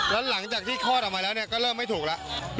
แล้วหลังจากที่คลอดออกมาแล้วก็เริ่มไม่ถูกแล้ว